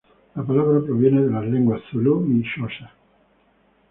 La palabra proviene de las lenguas zulú y xhosa.